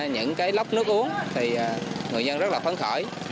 những cái lốc nước uống thì người dân rất là phấn khởi